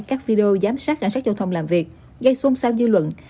các video giám sát cảnh sát giao thông làm việc gây xôn xao dư luận